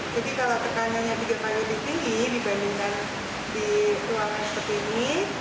jadi kalau tekanannya tiga kali lebih tinggi dibandingkan di ruangan seperti ini